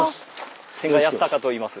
千賀康孝といいます。